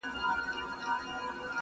راځه چې بازار جوړ کړو د متروکو هوسونو